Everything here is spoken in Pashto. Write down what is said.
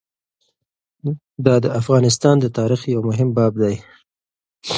دا د افغانستان د تاریخ یو مهم باب دی.